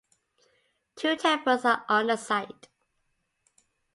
Two temples are on the site.